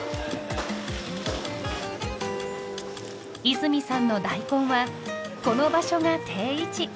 泉さんの大根はこの場所が定位置。